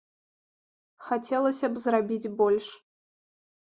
Хацелася б зрабіць больш.